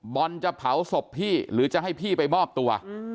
บอลจะเผาศพพี่หรือจะให้พี่ไปมอบตัว